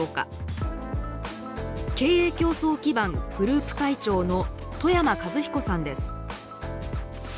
経営共創基盤グループ会長の冨山和彦さんです。